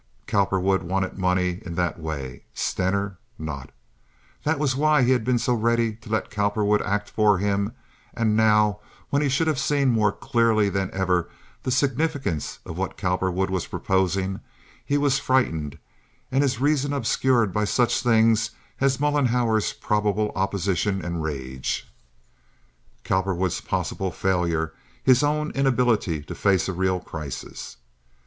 Cowperwood wanted money in that way; Stener not. That was why he had been so ready to let Cowperwood act for him; and now, when he should have seen more clearly than ever the significance of what Cowperwood was proposing, he was frightened and his reason obscured by such things as Mollenhauer's probable opposition and rage, Cowperwood's possible failure, his own inability to face a real crisis.